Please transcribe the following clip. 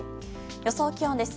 予想気温です。